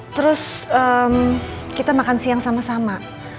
terus kita makan siang sama sama